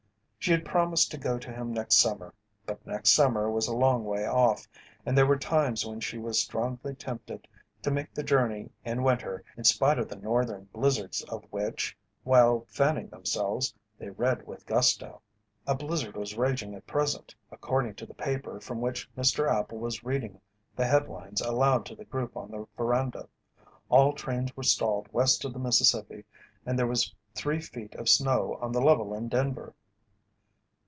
She had promised to go to him next summer, but next summer was a long way off and there were times when she was strongly tempted to make the journey in winter in spite of the northern blizzards of which, while fanning themselves, they read with gusto. A blizzard was raging at present, according to the paper from which Mr. Appel was reading the headlines aloud to the group on the veranda. All trains were stalled west of the Mississippi and there was three feet of snow on the level in Denver.